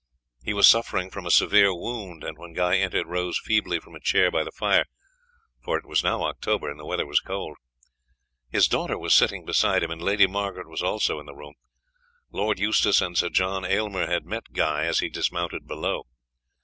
He was suffering from a severe wound, and when Guy entered rose feebly from a chair by the fire, for it was now October and the weather was cold. His daughter was sitting beside him, and Lady Margaret was also in the room. Lord Eustace and Sir John Aylmer had met Guy as he dismounted below.